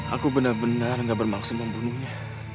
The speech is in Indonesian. aku benar benar gak bermaksud membunuhnya